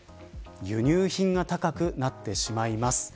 輸入品が高くなってしまいます。